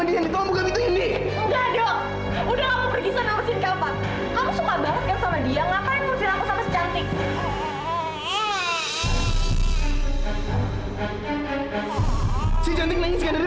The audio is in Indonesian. diam kamu jangan kembali